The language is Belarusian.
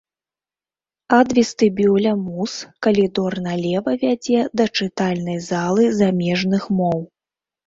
Ад вестыбюля муз калідор налева вядзе да чытальнай залы замежных моў.